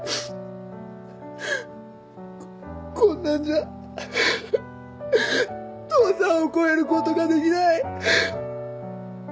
こんなんじゃ父さんを超えることができない。